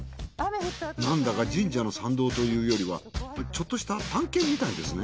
なんだか神社の参道というよりはちょっとした探検みたいですね。